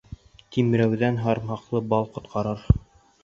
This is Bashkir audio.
Тимрәүҙән һарымһаҡлы бал ҡотҡарыр